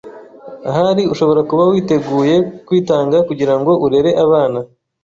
Ahari ushobora kuba witeguye kwitanga kugirango urere abana